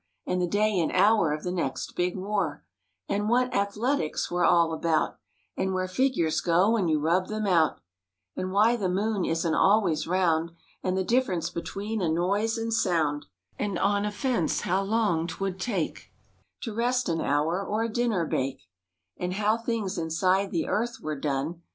And the day and hour of the next big war, tj, ' /'tj/ffli And what athletics were all about, '' And where figures go when you rub them X out, '^ And why the moon isn't always round, . ,i p \\' And the difference between a noise and l/ * sound, / v And on a fence, how long 'twould take To rest an hour or a dinner bake, And how things inside the earth were done.